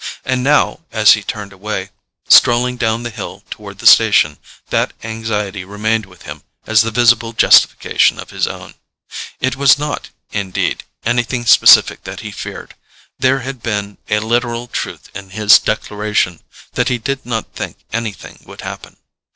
And now, as he turned away, strolling down the hill toward the station, that anxiety remained with him as the visible justification of his own. It was not, indeed, anything specific that he feared: there had been a literal truth in his declaration that he did not think anything would happen.